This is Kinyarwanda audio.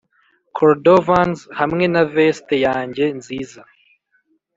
cordovans hamwe na veste yanjye nziza